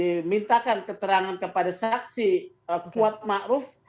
dimintakan keterangan kepada saksi kuat ma'ruf